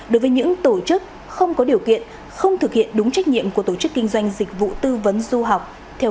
đối với những tổ chức không có điều kiện không thực hiện đúng trách nhiệm của tổ chức kinh doanh dịch vụ tư vấn du học